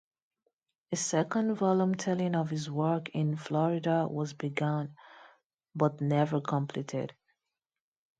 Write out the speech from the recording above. A second volume telling of his work in Florida was begun but never completed.